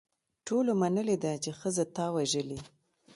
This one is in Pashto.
ټولو منلې ده چې ښځه تا وژلې.